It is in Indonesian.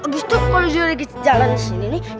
abis itu kalau jahe jalan disini nih